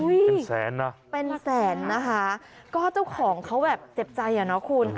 เป็นแสนนะเป็นแสนนะคะก็เจ้าของเขาแบบเจ็บใจอ่ะเนาะคุณ